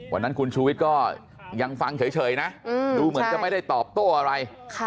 วันนั้นคุณชูวิทย์ก็ยังฟังเฉยนะดูเหมือนจะไม่ได้ตอบโต้อะไร